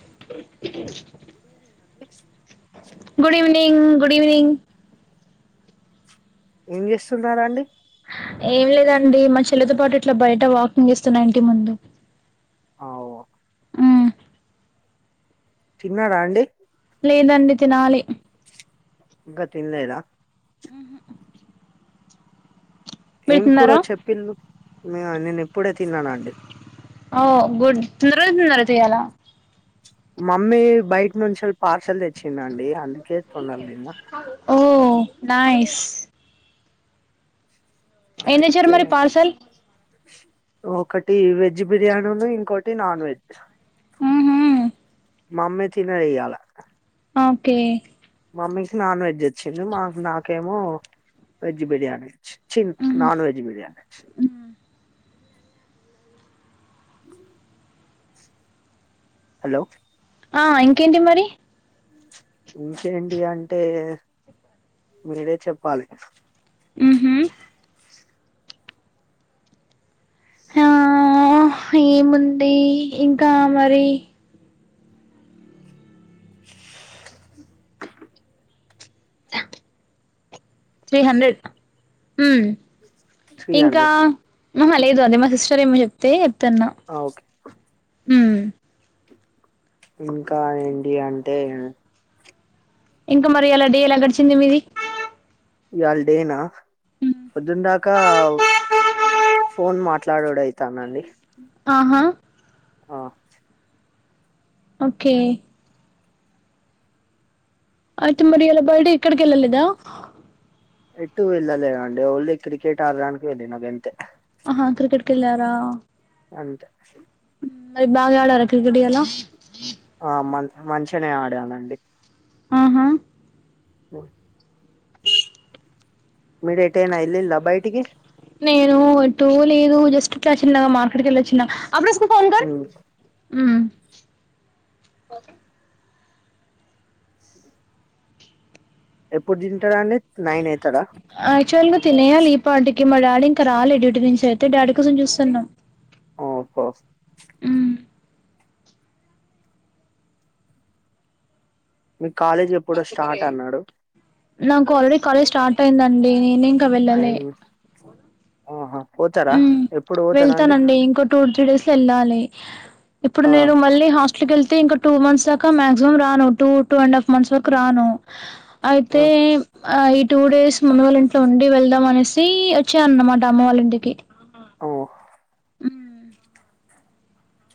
అ good evening అండి good evening good evening ఏం చేస్తున్నారా అండి ఏం లేదండి మా చెల్లెతో పాటు ఇట్లా బయట వాకింగ్ చేస్తున్నా ఇంటి ముందు ఆవు మ్మ్. తిన్నారా అండి లేదండి తినాలి ఇంగ తిన లేద ఉహూ ఏం కూరో చెప్పింది నేను ఇప్పుడే తిన్నానండి ఓ గుడ్ తొందరగ తొందర చెయ్యాలా మమ్మీ బైట్నుంచెల్ పార్సల్ తెచ్చిందండి అందు ఓ నైస్ ఏం తెచ్చారు అయితే మరి పార్సల్ ఒకటి వెజ్ బిర్యానును ఇంకోటి నాన్ వెజ్ మ్ హు మా అమ్మ ఇచ్చిదే ఇయళ ఓకే మమ్మీకి నాన్ వెజ్ ఇచ్చింది మాక్ నాకేమో వెజ్ బిర్యానీ ఇచ్చింది చిన్ మ్మ్. నాన్ వెజ్ బిర్యాని ఇచ్చింది హలో ఆ ఇంకేంటి మరి ఇంకేంటి అంటే మీరే చెప్పాలి మ్ హు ఆ ఏముంది ఇంకా మరి త్రీ హండ్రెడ్ మ్ త్రీ ఇంకా హండ్రెడ్ ఆహా లేదు అదే మా సిస్టర్ ఏమో చెప్తే ఓకే హ్మ్ ఇంకా ఏంటి అంటే ఇంకా మరి ఎలా డే ఎలా గడిచింది మీది ఇయళ డే నా పొద్దున దాకా ఫోన్ మాట్లాడుడు అయితాదండి ఆహా ఆ ఓకే ఆయితే మరి ఇయళ బర్డె ఇక్కడ కెళ్ళలేదా ఎటు వెళ్లలేదు అండి ఓన్లీ క్రికెట్ ఆడడానికి వెళ్ళిన గంతే హా క్రికెట్కి కెళ్ళారా అంతే మరి బాగా ఆడారా క్రికెట్ ఇయాళ ఆ మ మంచిగనే ఆడానండి ఆహా ఒయ్ ఎటైనా ఎల్లిల్లా బయటికి నేను అటు లేదు జస్ట్ ఇట్లా చిన్నగ మార్కెట్కి కేళ్ళిలొచ్చిన అబ్రు యిస్కో ఫోన్ కర్ ఉమ్. హ్మ్ ఇ ఎప్పుడు తింటాడు అండి ఎచ్యుల్ గ తినేయాలి ఈ పాటి గీ మా డాడీ ఇంకా రాలే డ్యూటి నుంచి అయితే డాడీ కోసం చూస్తున్నా ఓహో మీ కాలేజ్ ఎప్పుడో స్టార్ట్ అన్నాడు నాకు ఆల్రెడీ కాలేజ్ స్టార్ట్ అయిందండి నేన్ అయింది మ్ హు పోతారా హ్మ్ ఎప్ వెళ్తానండి ఇంకో టూ త్రీ డేస్ లో ఎళ్ళాలి ఇప్పుడు ఆ నేను మళ్ళీ హాస్టల్ కెళ్తే ఇంక టూ మంత్స్ దాకా మాక్సిమం రాను two two and half months వరకు రాను ఆ అయితే ఆ ఈ టూ డేస్ అమ్మమ్మ వాళ్ళ ఇంట్లో ఉండి వెళ్దాం అనేసి వచ్చే అన్నమాట అమ్మ వాళ్ళ ఇంటికి హ్మ్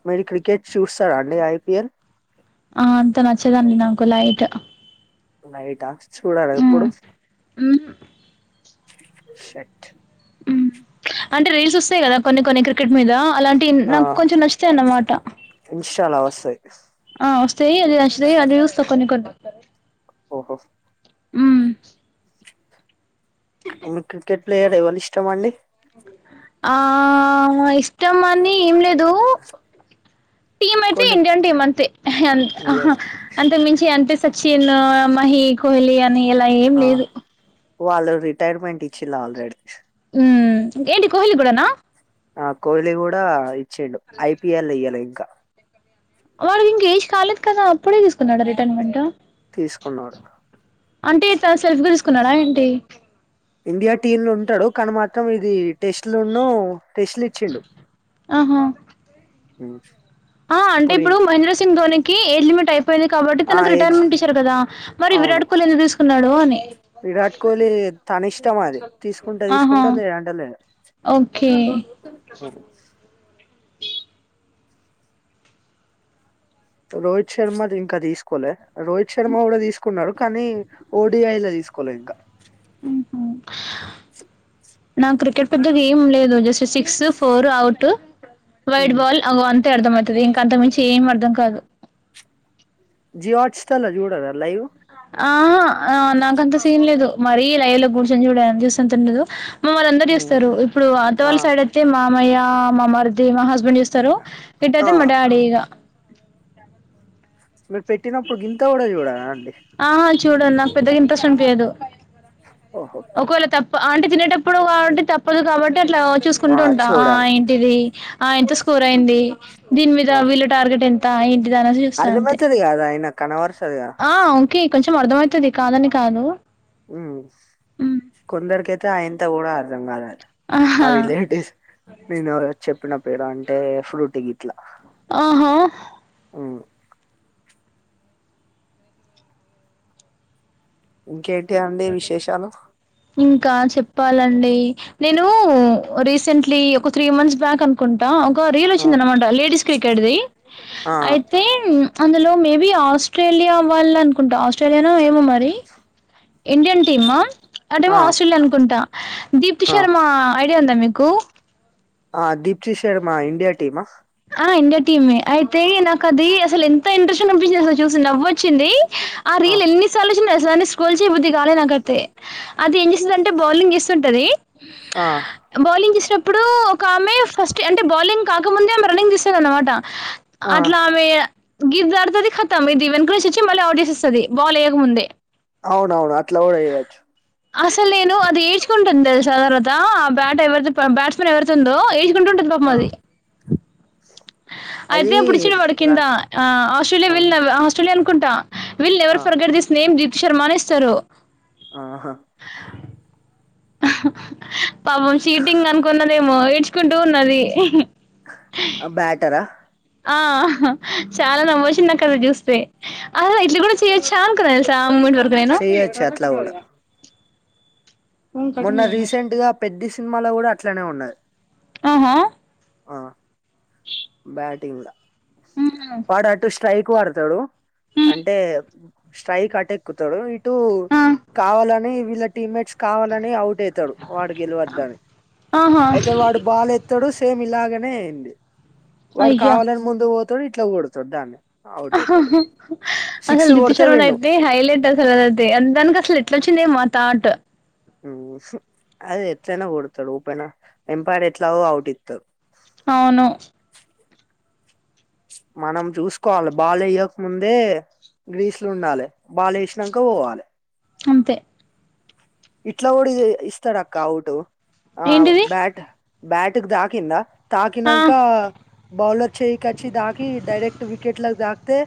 మీరు క్రికెట్ చూస్తార అండి ఐపిఎల్ ఆ అంత నచ్చదండి నాకు లైట్ లైట చూడార ఎప్పుడు మ్మ్ హ్హ్ షట్ అంటే రీల్స్ వస్తాయి కదా కొన్ని కొన్ని క్రికెట్ మీద అలాంటి ఆ నాక్కొంచెం నచ్చుతాయన్నమాట ఇన్స్టాలో వస్తాయి ఆ కొన్ని కొన్ని ఓహో మ్మ్ హ్ మీకు క్రికెట్ ప్లేయర్ లో ఎవరు ఇష్టం అండి ఆ ఇష్టమని ఏమీ లేదు టీమ్ అయితే కుల్దీప్ ఇండియన్ టీమ్ అంతే హ్ అహ ఇండియన్ అంతకు మించి అనిపించదు సచిన్ మహీ కోహ్లీ అని ఇలా ఏం ఆ లేదు వాళ్ళు రిటైర్మెంట్ ఇచ్చిల్లు ఆల్రెడీ ఉ ఏంటి కోహ్లీ కూడానా ఆ కోహ్లీ కూడా ఇచ్చిండు ఐపిఎల్ ఇయ్యాలే ఇంకా వాడికి ఇంక ఏజ్ కాలేదు కదా అప్పుడే తీసుకున్నాడా రిటర్న్మెంట్ తీసుకున్నాడు అంటే తను సెల్ఫ్గా తీసుకున్నాడా ఏంటి ఇండియా టీమ్ లో ఉంటాడు కానీ మాత్రం ఇది టెస్ట్లున్ను టెస్ట్లు ఇచ్చిండు ఆహా ఆ అంటే ఇప్పుడు మహేంద్ర సింగ్ ధోనికి ఏజ్ లిమిట్ అయిపోయింది పోయింది కాబట్టి ఆ తనకు ఏజ్ రిటైర్మెంట్ ఇచ్చారు కదా మరి అవును విరాట్ కోహ్లీ ఎందుకు తీసుకున్నాడు అని విరాట్ కోహ్లీ తన ఇష్టం అది తీసుకుంటే ఆహా తీసుకుంటాడు లేదంటే లేదు ఓకే రోహిత్ శర్మ ది ఇంకా తీసుకోలే రోహిత్ శర్మ కూడా తీసుకున్నాడు కానీ ఓడిఐలా తీసుకోలే ఇంకా నాకు క్రికెట్ పెద్ద గేం లేదు just six four out wide ball అవ్వన్నీ అర్థమవుతది ఇంక అంతకు మించి ఏం అర్థం కాదు జియో హాట్ స్టార్ లో చూడరా లైవ్ ఆ ఆ నాకంత సీన్ లేదు మరీ లైవ్ లో కూర్చొని చూడని చూసేంత ఉండదు మమ్మల్ని అందరు చూస్తారు ఇప్పుడు ఆ అత్తవాళ్ళ సైడ్ అయితే మా అమయ్య మా మరిది మా హస్బెండ్ చూస్తారు ఆ ఇటయితే మా డాడీ ఇగా మీరు పెట్టినప్పుడు గింత కూడా చూడారా అండి ఆహా చూడను నాకు పెద్దగా ఇంట్రెస్ట్ అనిపియదు ఓహో ఒకవేళ తప్ప అంటే తినేటప్పుడు కాబట్టి తప్పదు కాబట్టి అట్లా చూసుకుంటూ ఉంటాం ఆ ఏంటిది ఆ ఎంత స్కోర్ అయింది దీని మీద వీళ్ళ టార్గెట్ ఎంత ఏంటి అర్ధం అయితది గదా అయినా కనబడుతది కదా ఆ ఓకే ఇంక కొంచెం అర్ధమవుతది కాదని కాదు మ్మ్ ఉమ్. కొందరికైతే ఆయింత కూడా అర్ధం కాదు అది మా ఆహా రిలేటివ్స్ నేను ఎవరో చెప్పిన పేరు అంటే ఫ్రూటి గిట్లా ఆహా ఉమ్ ఇంకేంటి అండి ఒకే విశేషాలు ఇంకా చెప్పాలండి నేను రీసెంట్లీ ఒక త్రీ మంత్స్ బ్యాక్ అనుకుంటా ఒక రీల్ ఆ వచ్చిందన్నమాట లేడీస్ క్రికెట్ది ఆ అయితే అందులో మేబి ఆస్ట్రేలియా వాళ్ళు అనుకుంట ఆస్ట్రేలియానో ఏమో మరి ఇండియన్ టీమ్ అటేమో ఆ ఆస్ట్రేలియా అనుకుంటా దీప్తి ఆ శర్మ ఐడియా ఉందా మీకు ఆ దీప్తీ శర్మా ఇండియా టీమా. ఆ ఇండియా టీమే. అయితే నాకు అదీ అసల్ ఎంత ఇంట్రెస్ట్ షన్ అనిపించింది అసలు చూశి నవ్వు వచ్చిందీ. ఆ రీల్ ఎన్నిసార్లు వచ్చిందో తెల్ సా దాన్ని స్క్రోల్ చేయబుద్ది కాలే నాకైతే. అది ఏం చేస్తది అంటే బౌలింగ్ చేస్తుంటదీ. ఆ బౌలింగ్ చేశినప్పుడూ ఒక ఆమే ఫస్ట్ అంటే బౌలింగ్ కాకముందే ఆమెక్ రన్నింగ్ తీస్తదన్నమాటా, ఆ అట్లా ఆమే గీత దాటుతదిఖతం ఇది వెనుక నుంచి వచ్చి మళ్ళీ అవుట్ చేశేస్తది. బాలేయకముందే అవును అవును అట్లాగూడా చేయొచ్చు. అసల్ నేనూ అది ఏడ్చుకుంటుంది తెల్సా తర్వాతా ఆ బ్యాట్ ఎవర్ది బ్యాట్స్మెన్ ఎవరైతుందో ఏ కుంటుంటది పాపం ఆ అది. అయితే అది అపుడిచ్చిండు వాడు రా కిందా. ఆ ఆస్ట్రేలియా ఆ విళ్ళ్ ఆస్ట్రేలియా అనుకుంటా విళ్ ఆ never forget this name Deepti Sharma అని ఇస్తారు. ఆహా పాపం షీటింగ్ అనుకున్నదేమో ఏడ్చుకుంటూ ఉన్నది. ఆ బ్యాటర్రా ఆ అహా చాలా నవ్వొచ్చింది నాకు అది చూస్తే. ఆహా ఇట్లా గూడా చేయొచ్చా అనుకున్న తెల్సా ఆ మూడ్ల్ చెయొచ్చు అట్లా [unintelligible] నా మొన్నా రీసెంట్ గా పెద్ది సినిమాలో గూడా అట్లనే ఉన్నది. ఆహా ఆ బ్యాటింగ్ గూడా. హ్మ్. వాడు అటు ష్ స్ట్రైకు ఆడుతడు. అంటే స్ట్రైక్ అటెక్కుతడు ఇట్ టూ హ్మ్. కావాలనీ వీళ్ళ టీమ్ మేట్స్ కావాలనీ అవుట్ యితడు వాడు గెలవద్దని. ఆహా! అయితే వాడు బాల్ ఎత్తడు సేమ్ ఇలాగనే అయింది. వాడు అయ్యా! కావాలని ముందుగు పోతడు ఇట్ల కొడతడు దాన్నే. అసల్ దీప్తి కొడితే శర్మ విన్ను అయితే హైలైట్ అసలు అది అయితే. దానికి అసల్ ఎట్ల వచ్చిందేమో ఆ తాట్ ఊ అదే ఎట్లైనా కొడతడు ఓపెనా ఎంపైర్ ఎట్లాగో ఔట్ ఇత్తరు. అవును మనం చూసుకోవాల బాల్ ఎయ్యక్ ముందే గ్రీస్లుండాలే బాల్ ఏశినంక పోవాలే. అంతే ఇట్ల గూడా ఇది ఇస్తడక్కా ఔటు. ఆ ఏంటిది బ్యాట్ బ్యాటికి తాకిందా ఆ తాకినంకా బౌలర్ చెయ్యికొచ్చి దాకీ డైరెక్ట్ వికెట్లక్ దాగ్కితే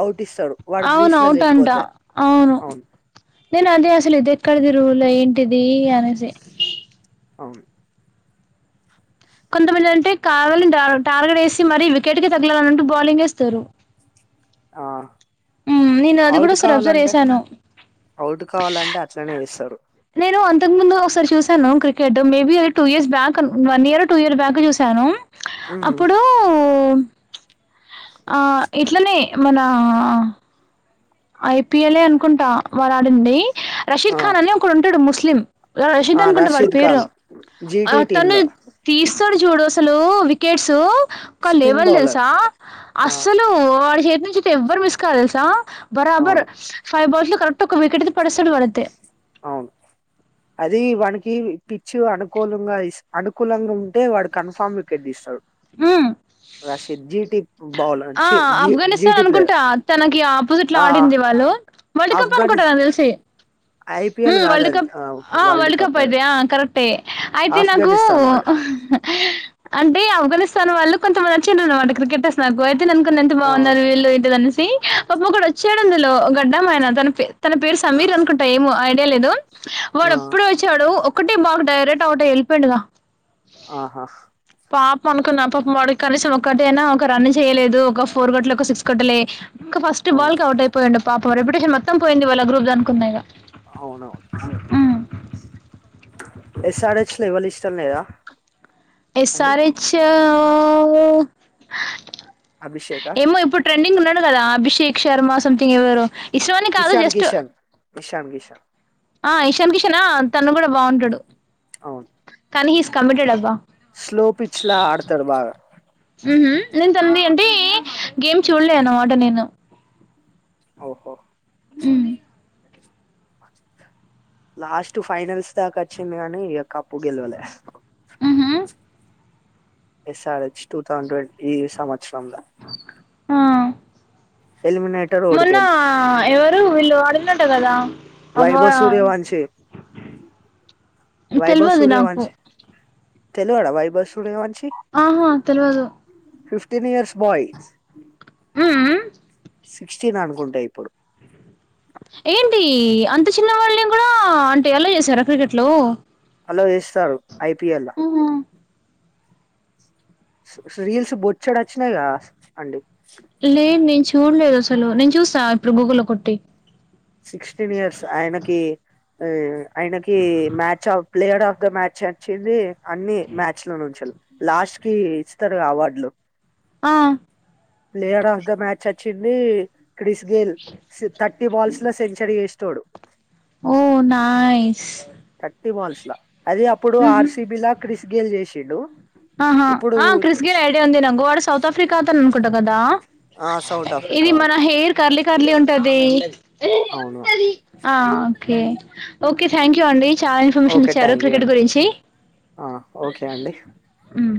అవుట్. ఇస్తరు వాడు అవును గ్రీస్ లో అవుట్ అంట లేక్పోతే. అవును నేను అదే అసలు ఇది ఎక్కడిదిరూల్ ఏంటిదీ అనేశి. అవును కొంతమంది అంటే కావలని టా టార్గెట్ ఏసి మరీ వికెట్ కే తగలాలని అంటు బౌలింగ్ ఏస్తరు. ఆ ఊ నేను అది గూడా అవుట్ ఓసారి అబ్జర్వ్ కావాలంటే చేసాను. అవుట్ కావాలంటే అట్లనే చేస్తరు. [unintelligible] మేబి అది టూ ఇయర్స్ బ్యాక్ అన్ వన్ ఇయరో టూ ఇయరొ బ్యాక్ చూశాను. ఉమ్, అప్పుడూ ఆ ఇట్లనే మనా ఐపీఎల్ ఏ అనుకుంటా వాడ్ ఆడందీ. ఆ రషీద్ ఖాన్ అని ఒకడు ఉంటడు ముస్లిం. రషీద్ ఆ, అనుకుంటా వాడి పేరూ ఖాన్ జీటి టీమ్ తను లో తీస్ స్తడు చూడు అసలూ వికెట్సూ ఒక స్పిన్ లెవల్ బౌలర్ తెల్సా. ఆ అస్సలూ వాడి చేతి నుంచైతే ఎవ్వరు మిస్ కారు తెలుసా. బరాబర్ అవును ఫైవ్ బాల్స్ లో కరెక్ట్ ఒక వికెటైతే పడేస్తడు వాడైతే. అవును అది వానికి పిచ్చి వి అనుకూలంగా అనుకూలంగా ఉంటే వాడు కన్ఫామ్ వికెట్ తీస్తాడు హ్మ్ రాసిద్ జీటి బౌలర్ ఆ చి జీ ఆఫ్ఘనిస్తాన్ జీటి ప్లేయర్ అనుకుంటా తనకి ఆపోజిట్ లో ఆ ఆడింది వాళ్ళు వరల్డ్ కప్ ఆఫ్ఘనిస్ అనుకుంటారని తెలిసి ఐపిఎల్ హ్మ్ కాదు వరల్డ్ అది కప్ ఆ వరల్డ్ కప్ అది అయితే ఆ కరెక్టే అయితే నాకు ఆఫ్ఘనిస్తాన్ వాలు ఉ హు అంటే ఆఫ్గానిస్తాన్ వాళ్ళు కొంత నచ్చిండ్ర అనమాట క్రికెట్ వస్తునకు అయితే అనుకుని ఎంత ఆ బాగున్నారు వీళ్ళు పాపం ఒకడు వచ్చాడు అందులో గడ్డం ఆయన తన తన పేరు ఆ సమీర్ అనుకుంటా ఏమో ఐడియా లేదు వాడు ఆ అపుడే వచ్చాడు ఒకటే బాల్ డైరెక్ట్ ఔట్ అయి వెళ్ళిపోయిండుగా ఆహా పాపం అనుకున్న ఆ పాప మ కనీసం ఒకక్కటయినా ఒక రన్ చేయలేదు ఒక ఫోర్ గట్టలు ఒక సిక్స్ గట్టలే ఇంకా ఫస్ట్ అవును బాల్ క అవుట్ అయిపోయిడు పాపం రెప్యటేషన్ మొత్తం పోయింది వాళ్ళ గ్రూప్ అనుకున్నాగా ఇగ అవునవును హ్మ్. ఎస్ఆర్ హెచ్ లో ఎవలు ఇష్టం లేదా లేదు ఎస్ ఆర్ హెచ్ ఊ అభిషేకా ఏమో ఇప్పుడు ట్రెండింగ్ ఉన్నాడు కదా అభిషేక్ శర్మ సమ్ తింగ్ ఎవరో ఇష్టమని కాదు ఇషాన్ జస్ట్ కిషన్ ఇషాన్ కిషన్ ఆ ఇషాన్ కిషన్ తను కూడా బాగుంటాడు అవును కానీ హి ఈజ్ కమిటెడ్ అబ్బా స్లో పిచ్ లా ఆడతారు బాగా మ్హూ. నేను తనని అంటే గేమ్ చూడలే అన్నమాట నేను ఓహో ఉ లాస్ట్ ఫైనల్స్ దాకా వచ్చింది కానీ ఇగ కప్పు గెలవలే ఉ హు S R H two thousand twenty సంవత్సరం లో ఆ ఎలిమినేటర్ మొన్న ఓడిపోయిలు ఎవరు వీళ్ళు వాడినట్టా కదా అబ్బా వైభవ్ సూర్యవంశం వైభవ్ తెలియదు సూర్య నాకు వంశీ తెల్వడా వైభవ్ సూర్యవంశం ఆహా తెల్వదు ఫిఫ్టీన్ ఇయర్స్ బాయ్ ఉ ఊ సిక్స్టీన్ అనుకుంట ఇప్పుడు ఏంటి అంత చిన్న వాళ్ళని కూడా అంటే ఎలా చేసారా క్రికెట్ లో ఎలో వేస్తారు ఐపిఎల్ ల రీల్స్ బొచ్చాడు వచ్చినాయి కదా అండి లేదు నేను చూడలేదు అసలు నేను చూస్తా ఇప్పుడు గూగుల్ లో కొట్టి సిక్స్టీన్ ఇయర్స్ ఆయనకి ఆయనకి match of player of the match వచ్చింది అన్ని మ్యాచ్ లో నుంచే లాస్ట్ కి ఇస్తారు అవార్డులు ఆ ప్లేయర్ అఫ్ ది మ్యాచ్ వచ్చింది క్రిస్ గేయెల్ థర్టీ బాల్స్ లో సెంచరీ చేసింది చూడు ఓ నైస్ టివాల్స్ లా అది అప్పుడు ఉహు ఆర్సిబి లా క్రిస్ గేల్ చేసిన్డు ఆహా ఆ క్రిస్ గేల్ ఐడియా ఉంది నాకు వాడు సౌత్ ఆఫ్రికా తరపు అనుకుంట కదా ఆ సౌత్ ఇది ఆఫ్రికా మన వాడు హెయిర్ కర్లీ కర్లీ ఉంటది అవును ఆ ఓకే ఓకే థ్యాంక్ యూ అండి చాలా ఇన్ఫర్మేషన్ ఓకే ఇచ్చారు థ్యాంక్ యూ క్రికెట్ అండి గురించి ఆ, ఓకే అండి హ్మ్.